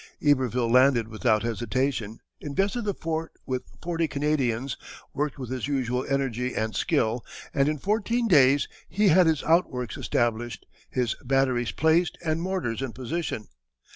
Iberville landed without hesitation, invested the fort with forty Canadians, worked with his usual energy and skill, and in fourteen days he had his outworks established, his batteries placed and mortars in position.